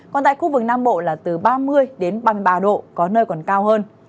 còn tại khu vực nam bộ là từ ba mươi ba mươi ba độ có nơi còn cao hơn